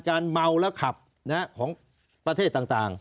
เมาแล้วขับของประเทศต่าง